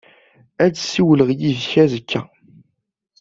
Ad ssiwleɣ yid-k azekka.